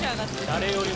誰よりも。